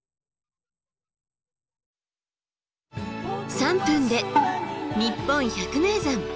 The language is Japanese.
３分で「にっぽん百名山」。